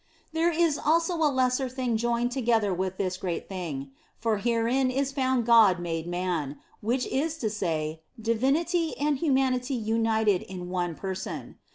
There is also a lesser thing joined together with this OF FOLIGNO 151 great thing : for herein is found God made Man, which is to say, divinity and humanity united in one person.